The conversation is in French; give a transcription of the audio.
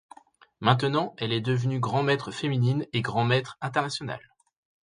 Maintenant elle est devenue grand maître féminine et grand maître international.